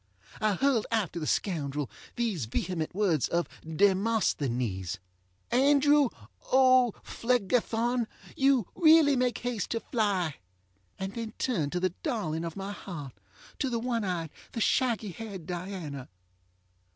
I hurled after the scoundrel these vehement words of DemosthenesŌĆö Andrew OŌĆÖPhlegethon, you really make haste to fly, and then turned to the darling of my heart, to the one eyed! the shaggy haired Diana.